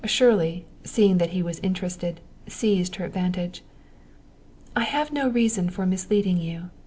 Shirley, seeing that he was interested, seized her advantage. "I have no reason for misleading you.